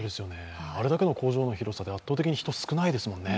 あれだけの工場の広さで、圧倒的に人、少ないですもんね。